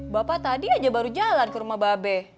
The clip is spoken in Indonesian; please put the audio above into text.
bapak tadi aja baru jalan ke rumah bapak be